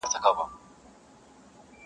و فقير ته د سپو سلا يوه ده-